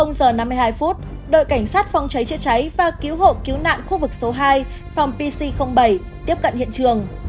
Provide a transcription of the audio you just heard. giờ năm mươi hai phút đội cảnh sát phòng cháy chữa cháy và cứu hộ cứu nạn khu vực số hai phòng pc bảy tiếp cận hiện trường